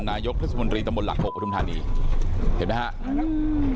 นายกทฤษฐมนตรีตะหมดหลักหกประทุมธานีเห็นไหมฮะอืม